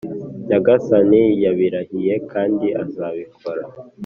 nyagasani yabirahiye kandi azabikora.